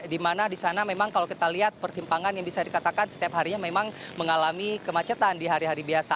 dimana disana memang kalau kita lihat persimpangan yang bisa dikatakan setiap harinya memang mengalami kemacetan di hari hari biasa